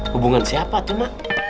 hubungan siapa tuh mak